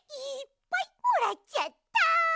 いっぱいもらっちゃった！